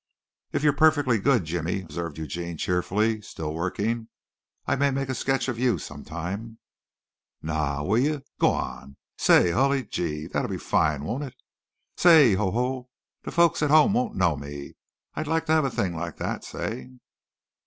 "If you're perfectly good, Jimmy," observed Eugene cheerfully still working, "I may make a sketch of you, sometime!" "Na! Will you? Go on! Say, hully chee. Dat'll be fine, won't it? Say, ho! ho! De folks at home won't know me. I'd like to have a ting like dat, say!"